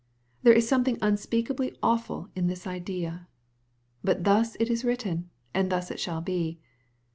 There is something un speakably awful in the idea. But thus it is written and thus it shall be.